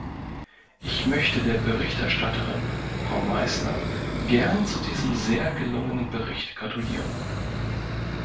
Ich möchte der Berichterstatterin, Frau Meissner, gern zu diesem sehr gelungenen Bericht gratulieren.